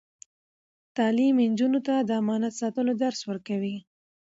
تعلیم نجونو ته د امانت ساتلو درس ورکوي.